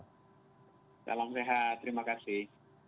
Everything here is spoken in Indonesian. salam sehat terima kasih